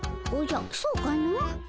おじゃそうかの。